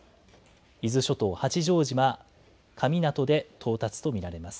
伊豆諸島、八丈島神湊で到達と見られます。